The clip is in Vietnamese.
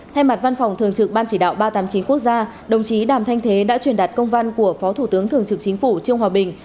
thay mặt văn phòng thường trực ban chỉ đạo ba trăm tám mươi chín quốc gia đồng chí đàm thanh thế đã truyền đạt công văn của phó thủ tướng thường trực chính phủ trương hòa bình